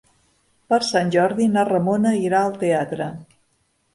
Per Sant Jordi na Ramona irà al teatre.